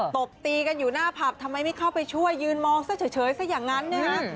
ตบตีกันอยู่หน้าผับทำไมไม่เข้าไปช่วยยืนมองซะเฉยซะอย่างนั้นนะฮะ